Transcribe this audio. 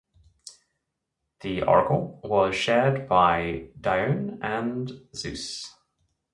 The oracle was shared by Dione and Zeus.